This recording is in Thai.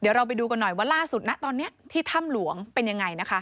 เดี๋ยวเราไปดูกันหน่อยว่าล่าสุดนะตอนนี้ที่ถ้ำหลวงเป็นยังไงนะคะ